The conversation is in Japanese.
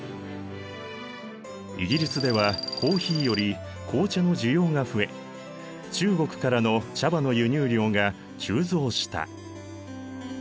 イギリスではコーヒーより紅茶の需要が増え中国からの茶葉の輸入量が急増した。